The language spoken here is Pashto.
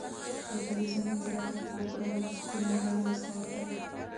د کلیزو منظره د افغان کورنیو د دودونو مهم عنصر دی.